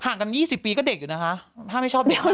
ห่างกัน๒๐ปีก็เด็กอยู่นะคะ